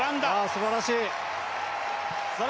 すばらしい。